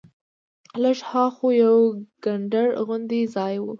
لږ ها خوا یو کنډر غوندې ځای و.